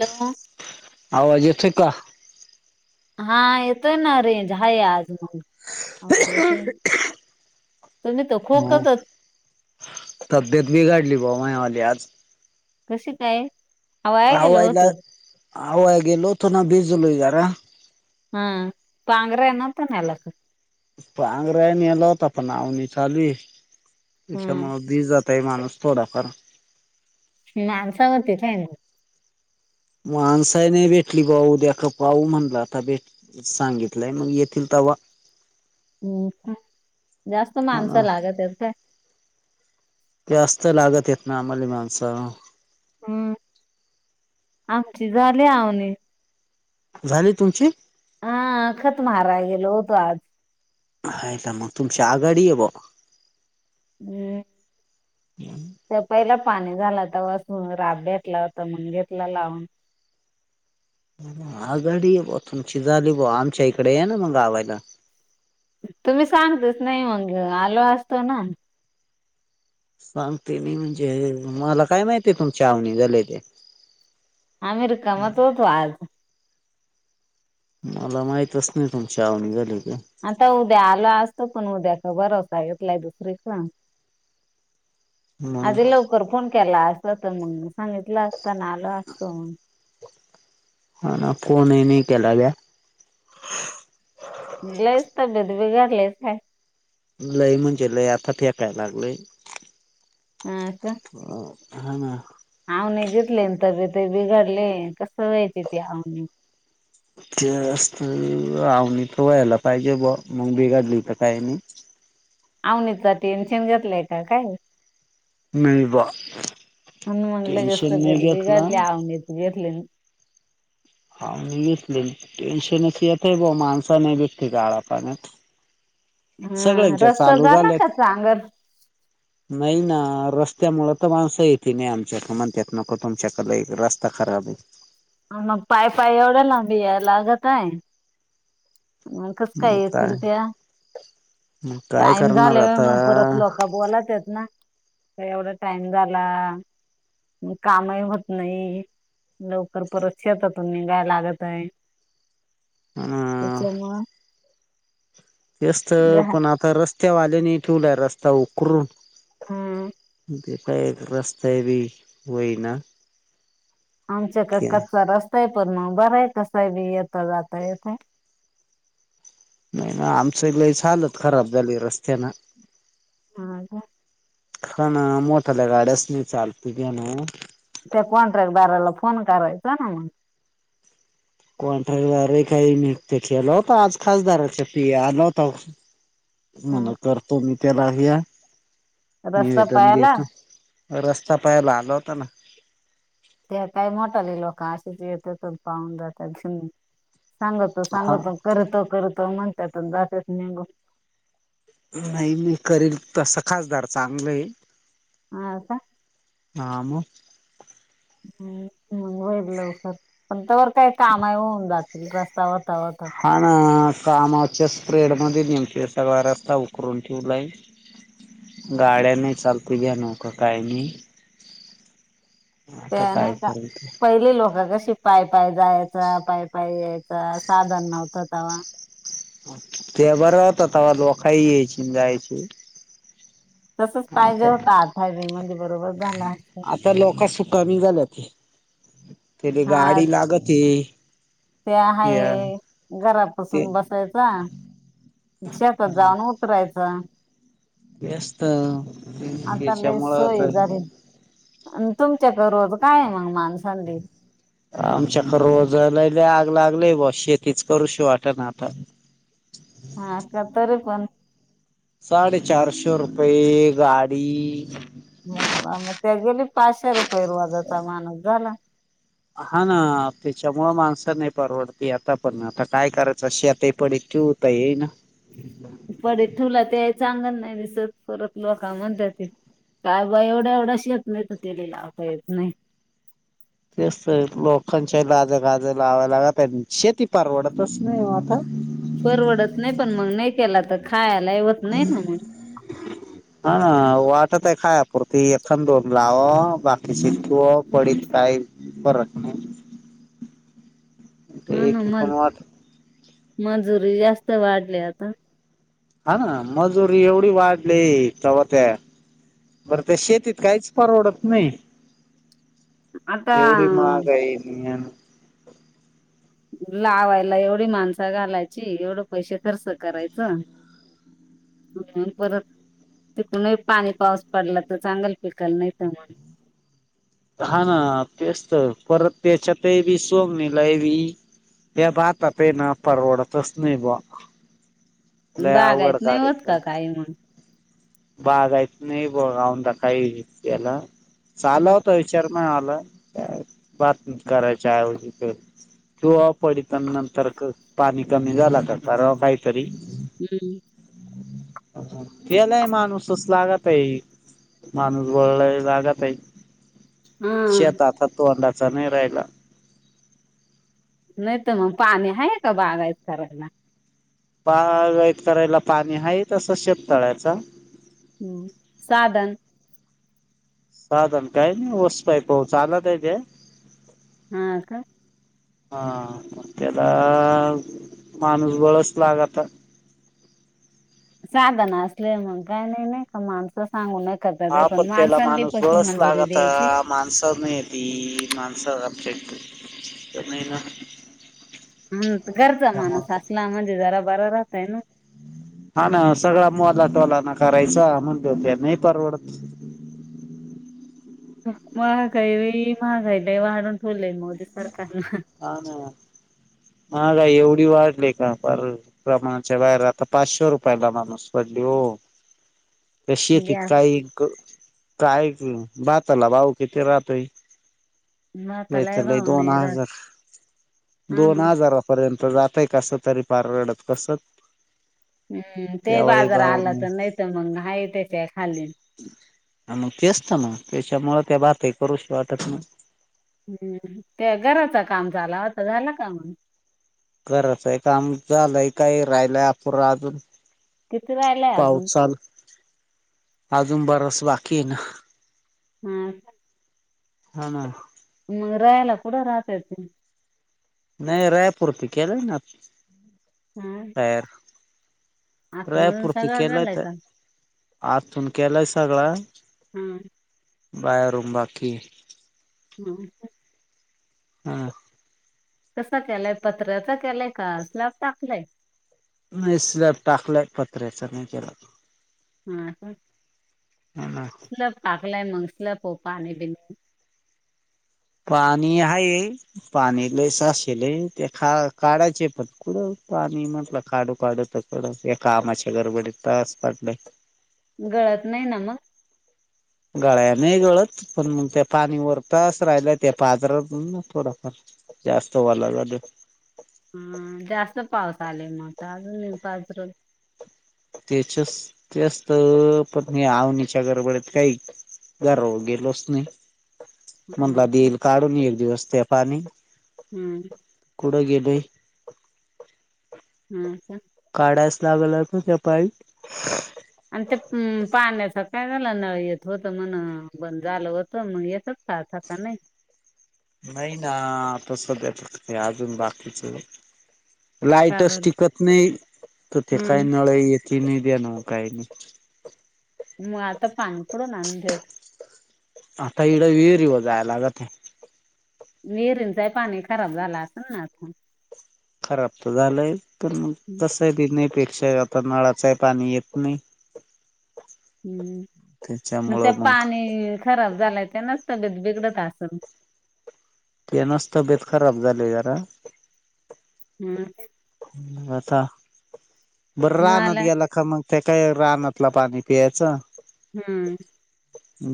Hello. आवाज येतोय का? हा, येतोय ना रेंज आहे आज मग आवाज येतोय. तुम्ही तर हो खोकतच तब्येत बिघाडली बाय मायावाली आज. कशी काय? अहो वाया गेलं हवायला, होतं हवाय गेलो होतो ना बीस जुलै जारा. हा, पांगरा आहे ना पण येला तो. पांगराय नेला होता पण आवणी चालू हे हम्म त्याच्यामुळं बीज जात ताय माणूस थोडाफार. मांसावरती फेन माणसा ही नाही भेटली भाऊ उद्या क पाऊ म्हणलं आता भेट सांगितलंय मग येथील तवा. हो खूप जास्त हा माणस ना. लागत्याथ काय. जास्त लागत्यात ना आम्हाला माणस. हम्म आमची झाली आवने. झाली तुमची. हा खत माराय गेलो होतो आज. हाय का मग तुमची आघाडी आहे बा. हम्म. [inaudible] ते पहिला पाणी झाला होता वस राब भेटला होता मग घेतला लावून. आगाडी बॉ तुमची झाली बॉ आमच्या इकडे याना मग गावायला. तुम्हीच सांगतच नाही मगआलो असतो ना. सांगती नाही म्हणजे मला काय माहितीय तुमच्या आवनी झाले ते. आाम्ही रिकामच होतो आज. मला माहितच नाही तूम्ही आवनी झालीये ते. आता उद्या आलो असतो पण उद्या भरोसा घेतलाय दुसरीचा. आधी मग लवकर फोन केला असता तर मग सांगितल असता ना आल असतो. हा ना फोनही नाही केला ग लईस तब्बेत बिघाडीयेलस काय. लई म्हणजे लईआता फेकाय लागलय. हा का. ह ना. आवने घेतले तब्बेतय बिघाडलीये कस व्हायचे ती आवने. तेस्त आवणीत व्हायला पाहिजे बॉ मग बिघाडली तरी काही नाही. आवनीच टेन्शन घेतलय का काय? नाहीबा. अन म्हण लगेच तब्बेत बिघाडली आवनित घेतले. हामी घेतली टेन्शनच येत बॉ माणस नाही भेटली गाळा पाण्यात हा सगळ्यांच्या रस्ता चालू झाला झाल्यात का चांगर. नाही ना रस्त्या मुळ तर माणस येती नाही आमच्याक म्हणत्यात नको तुमच्याकड लई रस्ता खराब ये. मग पाय पाय एवढ्या लांब यायला लागतये. मग कस काय येतील त्या मग काय टाइम करणार झाल्या आता मग परत लक. बोलात्यात ना त एवढा टाइम झाला. कामही होत लवकर परत शेतातून निघाय लागतय. अ त्याच्यामुळ. तेचत पण आता रस्त्यावाल्यानी ठेवला रस्ता उकरून. हम्म ते काय एक रास्ते बी होईना. आमच्याक कच्चा रस्ताय पण मग बर आहे कसा बी येता जात येतय. नाही ना आमच लईच हालत खराब झाली रस्त्यान. हा का. हा ना मोठाल्या गाड्याच नाही चालती ध्यानावर. त्या कॉन्ट्रॅक्टदाराला फोन करायचा ना मग. कॉन्ट्रॅक्टदारई काही नित्य केला होत आज खासदाराचा पी एस आला होता. [inaudible] मला करतो मी त्याला घ्या रस्ता निवेदन पाहायला देतो. रस्ता पहायला आला होता ना. ते काय मोठाले लोक असंच येतात अन पाहून जातात. सांगतो हा सांगतो करतो करतो म्हणत्यात अन जात्यात निघून. नाही मी करील तसं खासदार चांगल आहे. हाव का हां म हम्म मग होईल लवकर. पण तोवर काय काम ही होऊन जातील रस्ता होता होता. हा ना कामाच्या प्रेड मध्ये नेमक सगळा रस्ता उकरून ठेवलाय. गाड्यांनो चालती घेणं का काय नाही. आता त्या काय नाही का करायचं पहिले लोक कशी पाय पाय जायचा पाय पाय यायचा साधन नव्हतं तवा. ते बर होत तवा लोक यायची अन जायची. तसच पाहिजे आता होतं आता बी म्हणजे बरोबर झाल असत. त लोक सुखामी झालं ती ते ले हा गाडी लागती. ते आहे ते घरापासून बसायचा, शेतात जाणून उतरायचा तेच त आता लय सोय झाली आणि तुमच्याकडे रोज काय मग माणसां देल. आमच्याकडे रोजाले लय आग लागली बॉ शेतीच करू शी वाट ना आता. हा का तरी पण साडे चारशे रुपये गाडी वा वा मग त्या गेले पाचशे रुपये रोजाचा माणूस झाला. हा ना त्याच्यामुळ माणसं नाही परवडती आता पण आता काय करायचं शेते पडी ठेऊ त ये ना पडे ते ठेऊ चांगलं नाही दिसत, परत लोक म्हणत्याती काय बाई एवढ एवढ शेत नाही तर येत नाही त ले लावता येत नाही. तेच त ये लोकांच्या लाजे गाज लावाय लागते शेती परवडतच नाही आ पण परवडत नाही पण मग नाही केला तर खायला ही होत नाही न मग. हा ना वाटत आहे खाया पुरती एक अन दोन लावाव बाकीची तो पडीत काही फरक नाही ह ते न एकी पण मन वाट मजुरी जास्त वाढली आता हा ना मजुरी एवढी वाढली चव्हा त्या बरं त्या शेतीत काहीच परवडत नाही. आता एवढी महागाई बी अन लावायला एवढी माणसं घालायची एवढं पैसे खर्च करायचं. हम्म हम्म परत तिकून ही पाऊस पडला तर चांगल पिकल, नाही त मंग हा ना तेच तर परत त्याच्यातही वी सोमना [unintelligible] ते भाता पेन परवडतच नाही बॉ. बागाईत नाही होत का काही मंग? बागाईत नाही बॉ बाऊन दा काही केलं चाल विचार पण आला बातमी करायच्या ऐवजी करू तोवा पडिता नंतर पाणी कमी झाला कराव काही तरी. हम्म केलाय माणूसच लागत आहे माणूस वळलाय लागत आहे. हा शेत आता तोंडाचा नाय राहिला. नाय त मग पाणी हाय का बागायत करायला? पागायत करायला पाणी हाय तसं शेततळ्याचं. हम्म, साधन साधण काय नाय ऊस पाईपव चालतय ते. हा का? हा मग त्याला माणूस बळच लागत. साधन असल्याव मग काय नाय नाय. माणसं सांगून करताताय पण माणसांली पशी मंजुरी द्यायची? माणसांना येती माणसं आपली येती [unintelligible] हम्म, घरचा माणूस असला म्हणजे जरा बरा राहतय ना. हा ना सगळा मोला टोलान करायचा म्हण [unintelligible] नाय परवडत. महागाई बाई महागाई लय वाढून ठेवली मोदी सरकारनं. हा ना, महागाई एवढी वाढली का पार प्रमाणाच्या बाहेर राहता पाचशे रुपयाला माणूस पडली वो. [inaudible] त्या शेतीत गॅस काय क -काय भाताला भाव किती राहतोय. माताला तय दोन हजार, हा दोन ना हजारात पर्यंत जातय कस तरी पार रडत कसंत. हम्म, ते बाजार भाव आला नाही तर नाय त मग हाय त्याच्या खाली. आ म तेच त ना म, त्याच्यामुळ त्या भातही करूशी वाटत नाय. हम्म, त्या घराचा काम चाला होता झाला का मंग? घराचं काम झालंय काय राहिलाय अपूरा अजून. किती राहिलाय पाऊस अजून चाल, अजून बराच बाकी आय ना. हा का. हा ना. म रायाला कुठ राहतायत तुम्ही? नाय रायापुरत केलंय ना. हा. आतमधून राह्यापुरत सगळं केलंय झालंय ताय. का आतून केलाय सगळां. हम्म. बाहेरून बाकी. [unintelligible] हा. कसा केलाय पत्र्याचा केलाय का स्लाप टाकलाय? नाय स्लॅप टाकलाय पत्र्याचा नाय केला. हा का. हा. स्लॅप टाकलाय मग स्लॅपव पाणी बिनी? पाणी हाये. पाणी लय साचिले ते काढायचे पटल पाणी म्हटलं काढू काढू तर परत या कामाच्या गडबडीत तास पडलय. गळत नाय ना मग? गळ्या नाही गळत पण मग त्या पाणी वर तसच राहिल्या त्या पाजरत ना थोडापण. जास्त वालग हा जास्त पाऊस आलाय मग अजून पजरल. त्याच्या तेचत पत्नी आवनीच्या गडबडत काही. घरावर गेलोच नाही. हा म्हटलं का दिल काढून एक दिवस ते पाणी. हम्म कुड घेले. हा का. काढायस लागलत त्या पाई. आणि ते पाण्याच काय झालं नळ येत होत म्हण बंद झालं होतं, मग येतच. खाता का नाही. नाही ना सध्या अजून बाकीच. का लाईटच बर टिकत नाही तर ते काय हम्म नळ येत. किन द न काहीनी. मग आता पाणी कुठून आणते. आता इथ विहिरी व जायला लागत ते. विहिरींचाही पाणी खराब झालं असेल ना आता. खराब तर झालंय पण मग तस. बण्यापेक्षा नळाचही पाणी येत नाही. हम्म मग त्या पाणी खराब झालंय त्यानाच तब्येत बिघडत असल. तेनस तब्येत खराब झालय जरा. हम्म. आता बर्रा रानत मला गेला का मग. त्या काय रानातलं पियायचं. हम्म.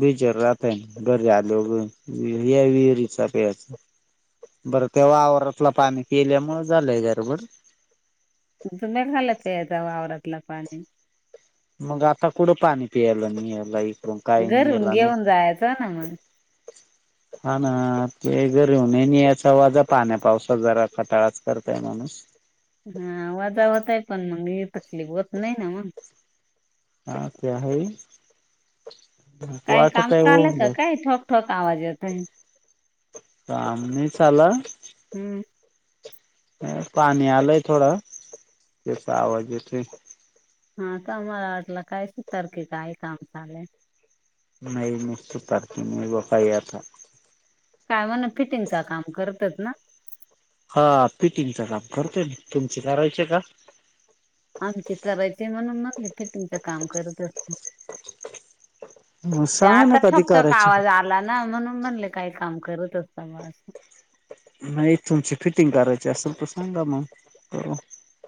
बिचार राहता आहे घरी आल वर या विहिरीचा पयचा. बरं ते्हा आवरातलं पाणी पिल्यामुळे झालंय गरबर. तुम्चा नीट झाले का वावरातलं पाणी. मग आता कुढं पाणी पियला नाही यालाई. घरून घेऊन जयचे ना मग. हा ना ते घरी होऊन नाही याचा वाजा पान पावसाात जरा खटाळाच करताय माणूस. हा वजा होतय पण मग तसली होत नाही ना मग. हा त्या आहे. काही काम वाटत आहे चालेय होऊन का जाईल काही ठोक ठोक आवाज येत आहे. काम नाही चालत. हम्म. पाणी आला आहे थोडा तेचा आवाज येतोय. हा कामला वाटलं काय सुतार की काय काम चालेय. नाही नसत पारत म बफ आता. काय म्हण फिटिंगच काम करतात ना. हा फिटींगच काम करततोय मी तुमची करायचे का. आमचे करायचे म्हणून म्हणले की फिटिंग काम करत असनार. मग त्या सांगा ना आता कधी ठकतो का करायची आवाज आ. मला ना म्हणून म्हणले काय काम करत असता म. नाही तुमची फिटिंग करायची असल तर सांगा मग.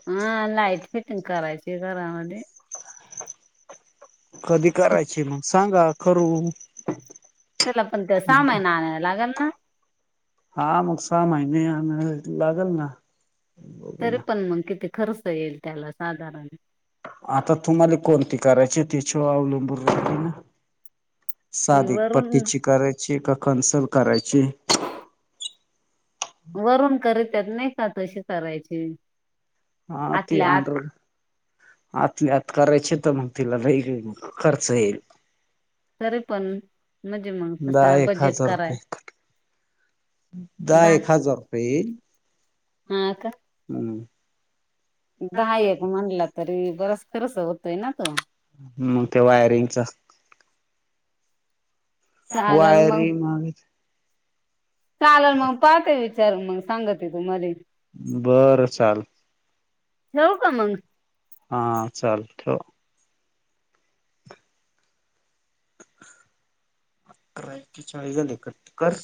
हा लाईट फिटिंग करायची घरामध्ये कधी करायची? मग सांगा करू. त्याला पण त्या सामान आणायला लागेल ना... हा मग सामान ने लागेल ना... बघू तरी ना. पण मग किती खर्च येईल त्याला साधारण? आता तुम्हाला कोणते करायचे त्याच्यावर अवलंबून राहते ना. ती साधी वरून पट्टीची करायची का कंसल करायची आहे. वरून करत्यात नाही का तशी करायची आहे. हा ती अंडररूट आतली आत करायचे तर मग तिला लई मग खर्च येईल. तरी पण म्हणजे मग दहा तसा एक बजेट हजार कराय रुपये. दहा एक हजार रुपये येईल. हा का दहा एक म्हणला तरी बरच खर्च होतोय ना तो. मग ते वायरिंगचं चालेल मग वायरिंग आणि चालेल. मग पाहते. विचारून मग सांगते तुम्हाले. बरं चाल ठेऊ का मग? हा चालत. ठेवा. अठरा एकेचाळीस झाले कट कर.